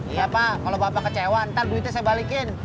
iya pak kalau bapak kecewa ntar duitnya saya balikin